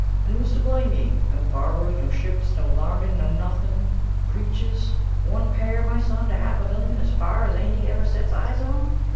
And who's to blame ye? No barbers, no ships, no larnin', no nothing. Breeches? One pair, my son, to half a million, as far as Andy ever set eyes on.